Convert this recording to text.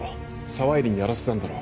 沢入にやらせたんだろ？